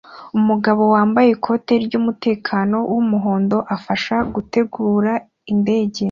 Umugabo wambaye ikoti ryumutekano wumuhondo afasha gutegura indege